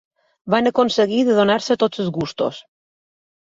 Van aconseguir de donar-se tots els gustos.